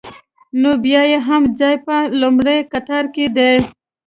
نو بیا یې هم ځای په لومړي قطار کې دی.